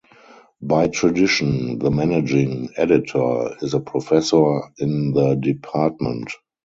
By tradition, the managing editor is a professor in the department.